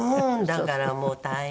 だからもう大変。